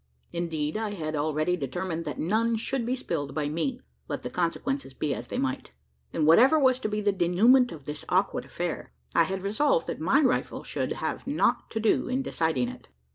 Indeed, I had already determined that none should be spilled by me let the consequences be as they might; and whatever was to be the denouement of this awkward affair, I had resolved that my rifle should have nought to do in deciding it.